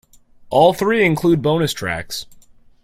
All three include bonus tracks.